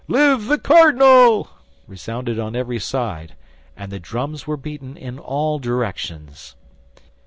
Live the cardinal!" resounded on every side, and the drums were beaten in all directions.